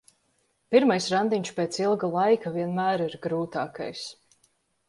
Pirmais randiņš pēc ilga laika vienmēr ir grūtākais.